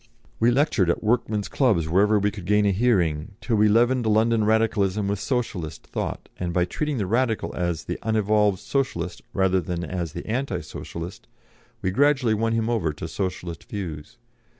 We lectured at workmen's clubs wherever we could gain a hearing, till we leavened London Radicalism with Socialist thought, and by treating the Radical as the unevolved Socialist rather than as the anti Socialist, we gradually won him over to Socialist views.